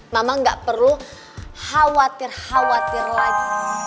mama gak perlu khawatir khawatir lagi